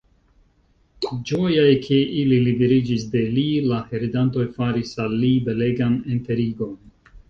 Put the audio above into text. Ĝojaj, ke ili liberiĝis de li, la heredantoj faris al li belegan enterigon.